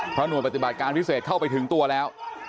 เพราะหน่วยปฏิบัติการพิเศษเข้าไปถึงตัวแล้ว